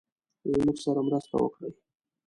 زموږ سره مرسته وکړی.